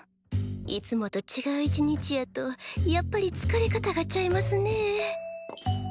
いつもとちがう一日やとやっぱりつかれ方がちゃいますねえ。